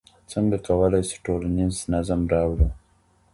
څنګه کولای سو ټولنيز نظم راوړو؟